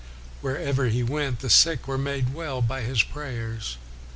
'' Wherever he went, the sick were made well by his prayers.